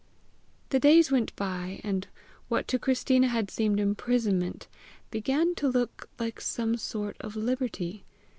The days went by, and what to Christina had seemed imprisonment, began to look like some sort of liberty.